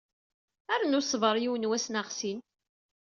Rnu ṣber yiwen wass neɣ sin.